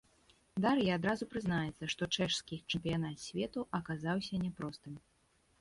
Дар'я адразу прызнаецца, што чэшскі чэмпіянат свету аказаўся няпростым.